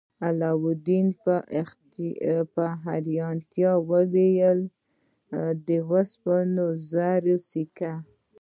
علاوالدین په حیرانتیا وویل د سپینو زرو سکه.